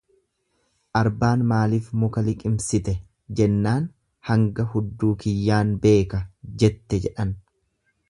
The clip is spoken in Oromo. Arbaan maaliif muka liqimsite jennaan hanga hudduu kiyyaan beeka jette jedhan.